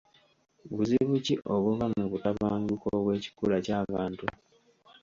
Buzibu ki obuva mu butabanguko obw'ekikula ky'abantu?